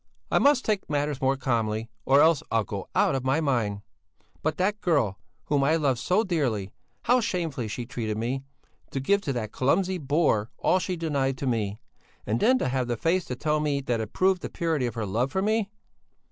I must take matters more calmly, or else I'll go out of my mind! But that girl, whom I loved so dearly! How shamefully she has treated me! To give to that clumsy boor all she denied to me! And then to have the face to tell me that it proved the purity of her love for me!"